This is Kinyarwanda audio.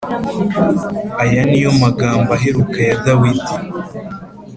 Aya ni yo magambo aheruka ya Dawidi